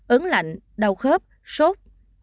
ấn lạnh đau khớp sốt